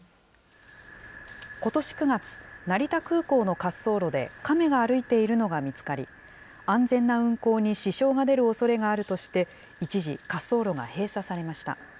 ことし９月、成田空港の滑走路でカメが歩いているのが見つかり、安全な運航に支障が出るおそれがあるとして、一時、滑走路が閉鎖されました。